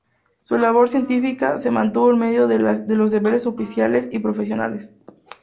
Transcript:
Su labor científica se mantuvo en medio de los deberes oficiales y profesionales.